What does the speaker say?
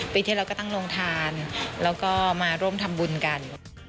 ที่เราก็ตั้งโรงทานแล้วก็มาร่วมทำบุญกัน